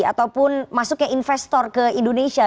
ataupun masuknya investor ke indonesia